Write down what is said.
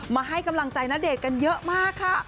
มาให้กำลังใจณเดชน์กันเยอะมากค่ะ